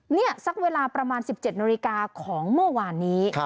นี่สักเวลาประมาณ๑๗นาฬิกาของเมื่อวานนี้